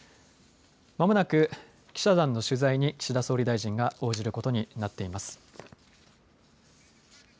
間もなく記者団の取材に岸田総理大臣が応じることになっています。